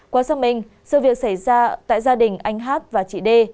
qua xác minh sự việc xảy ra tại gia đình anh hát và chị đê